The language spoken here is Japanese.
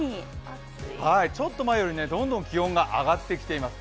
ちょっと前よりどんどん気温が上がってきています。